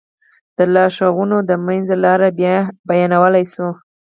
دا لارښوونه د منځ لاره بيانولی شو.